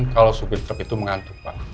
kalau supir truk itu mengantuk pak